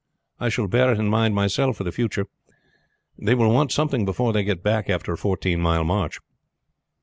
I shall bear it in mind myself for the future. They will want something before they get back after a fourteen mile march."